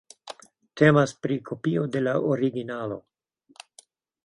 Temas pri kopio de la originalo.